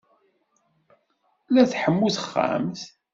La tḥemmu texxamt.